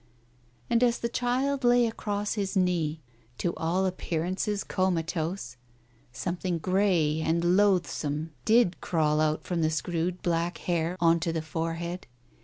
And as the child lay across his knee, to all appearances comatose, something grey and loathsome did crawl out from the screwed black hair on to the forehead.